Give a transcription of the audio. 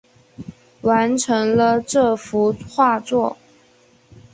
完成了这幅画作